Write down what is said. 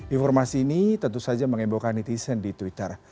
informasi ini tentu saja mengembokkan netizen di twitter